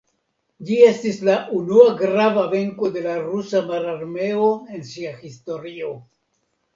Ĝi estis la unua grava venko de la Rusa Mararmeo en sia historio.